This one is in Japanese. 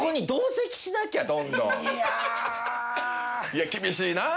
いや厳しいな。